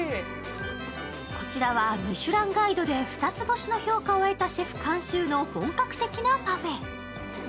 こちらはミシュランガイドで２つ星の評価を得たシェフ監修の本格的なパフェ。